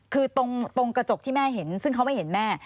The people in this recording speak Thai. คือตรงกระจกที่แม่เห็นซึ่งเขาไม่เห็นแม่